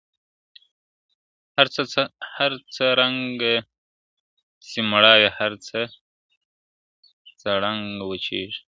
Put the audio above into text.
هرڅه څرنګه سي مړاوي هر څه څرنګه وچیږي ..